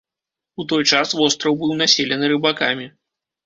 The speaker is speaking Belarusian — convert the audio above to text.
У той час востраў быў населены рыбакамі.